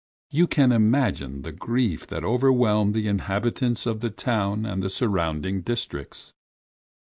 You can imagine the grief that overwhelmed the inhabitants of the town and the surrounding districts.